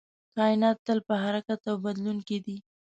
کائنات تل په حرکت او بدلون کې دی.